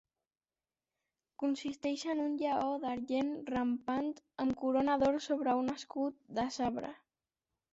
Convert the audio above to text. Consisteix en un lleó d'argent rampant amb corona d'or sobre un escut de sabre.